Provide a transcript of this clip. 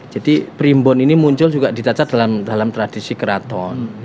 jadi primbon ini muncul juga ditaca dalam tradisi keraton